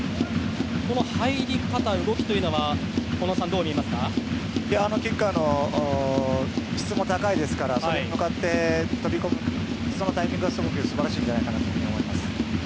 入り方動きというのはキッカーの質も高いですからそれに向かって飛び込むタイミングはすごく素晴らしいんじゃないかと思います。